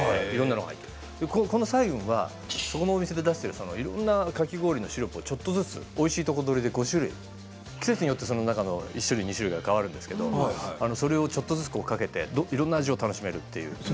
この彩雲はそこのお店で出してるいろんなかき氷のシロップをちょっとずつおいしいとこ取りで５種類季節によってその中の１種類２種類が変わるんですけどそれをちょっとずつかけていろんな味を楽しめるっていう。